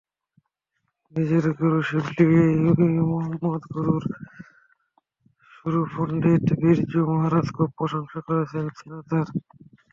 নিজের গুরু শিবলী মহম্মদ, গুরুর গুরু পণ্ডিত বিরজু মহারাজ খুব প্রশংসা করেছেন স্নাতার।